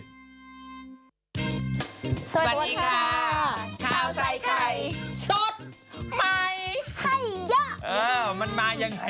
สวัสดีค่าข้าวใส่ไข่